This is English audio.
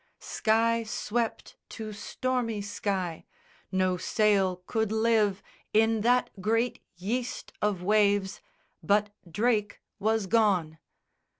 Sky swept to stormy sky: no sail could live In that great yeast of waves; but Drake was gone!